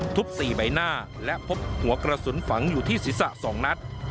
ทุบสี่ใบหน้าและพบหัวกระสุนฝังอยู่ที่ศิษฐ์สองนัด